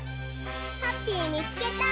ハッピーみつけた！